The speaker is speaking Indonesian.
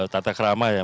tata kerama ya